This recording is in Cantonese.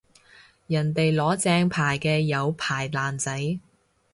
人哋攞正牌嘅有牌爛仔